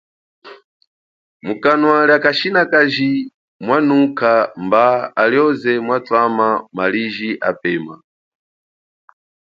Mukanwa lia kashinakaji mwanukha, mba alioze mwatwama maliji apema.